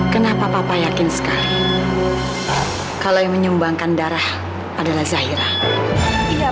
kenapa papa yakin sekali kalau yang menyumbangkan darah adalah zahira